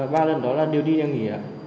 và ba lần đó là điều đi nhanh nghỉ